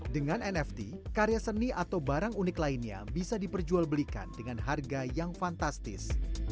dengan nft karya seni atau barang unik lainnya bisa diperjualbelikan dengan harga yang fantastis